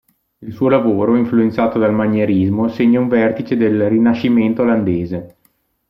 Il suo lavoro, influenzato dal Manierismo, segna un vertice del "Rinascimento olandese".